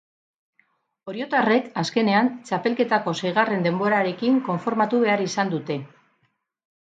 Oriotarrek azkenean txapelketako seigarren denborarekin konformatu behar izan dute.